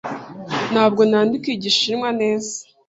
Ntabwo nandika Igishinwa neza.